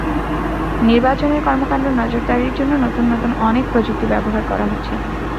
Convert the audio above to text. নির্বাচনের কর্মকাণ্ড নজরদারির জন্য নতুন নতুন অনেক প্রযুক্তি ব্যবহার করা হচ্ছে।